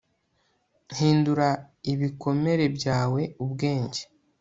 hindura ibikomere byawe ubwenge